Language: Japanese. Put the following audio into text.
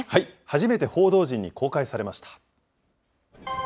初めて報道陣に公開されました。